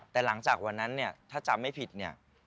แต่หลังจากวันนั้นเนี่ยถ้าจำไม่ผิดเนี่ย